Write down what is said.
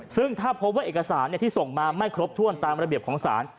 ซึ่งถ้าพบว่าเอกสารที่ส่งมาไม่ครบถ้วนตามระเบียบของศาล